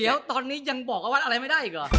เดี๋ยวตอนนี้ยังบอกว่าวัดอะไรไม่ได้อีกเหรอ